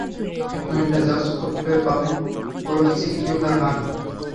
তিনি কুমিল্লা জজকোর্টে public prosecutor হন।